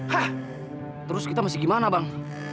hah terus kita masih gimana bang